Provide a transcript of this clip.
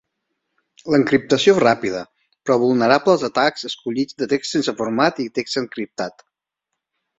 L'encriptació és ràpida, però vulnerable als atacs escollits de text sense format i text encriptat.